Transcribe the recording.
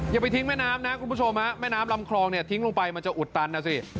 อย่าไปถึงแม่น้ำแล้วคุณผู้ชมมาแม่น้ำลำคลองเนี่ยโทรไปมาจะอุ่นตันอ่ะสิ